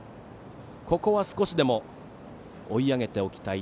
ここは少しでも追い上げておきたい